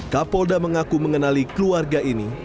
kapolda mengaku mengenali keluarga ini